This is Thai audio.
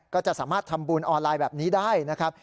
ก็จะสามารถทำบุญออนไลน์แบบนี้ได้นะครับ